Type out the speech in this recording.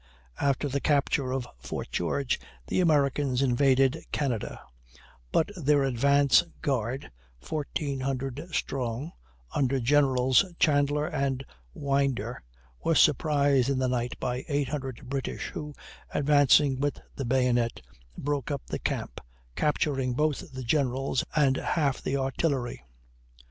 After the capture of Fort George, the Americans invaded Canada; but their advance guard, 1,400 strong, under Generals Chandler and Winder, was surprised in the night by 800 British, who, advancing with the bayonet, broke up the camp, capturing both the generals and half the artillery.